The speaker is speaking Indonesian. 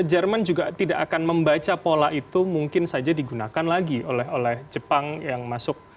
jerman juga tidak akan membaca pola itu mungkin saja digunakan lagi oleh jepang yang masuk